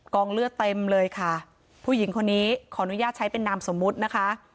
เลือดเต็มเลยค่ะผู้หญิงคนนี้ขออนุญาตใช้เป็นนามสมมุตินะคะ